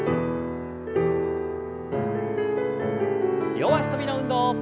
両脚跳びの運動。